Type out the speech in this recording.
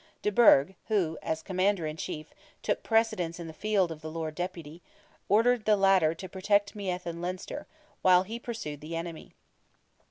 De Burgh, who, as Commander in Chief, took precedence in the field of the Lord Deputy, ordered the latter to protect Meath and Leinster, while he pursued the enemy.